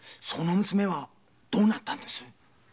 その娘はどうなったんで？